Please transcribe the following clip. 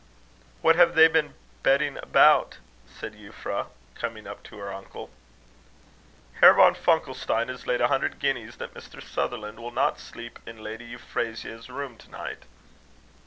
"What have they been betting about?" said Euphra, coming up to her uncle. "Herr von Funkelstein has laid a hundred guineas that Mr. Sutherland will not sleep in Lady Euphrasia's room to night."